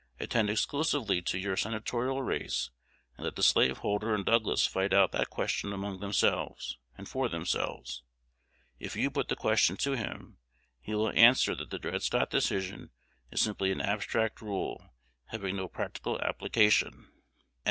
"Attend exclusively to your senatorial race, and let the slaveholder and Douglas fight out that question among themselves and for themselves. If you put the question to him, he will answer that the Dred Scott Decision is simply an abstract rule, having no practical application."